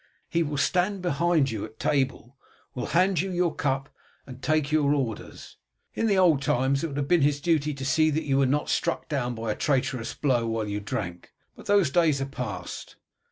He will stand behind you at table, will hand you your cup and take your orders. In the old times it would have been his duty to see that you were not struck down by a traitorous blow while you drank, but those days are passed.